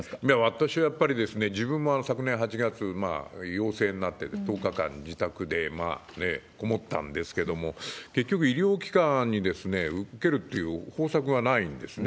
私はやっぱり、自分も昨年８月、陽性になって、１０日間自宅で籠ったんですけれども、結局、医療機関に、受けるという方策がないんですね。